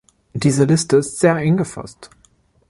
Diese Liste ist sehr eng gefasst.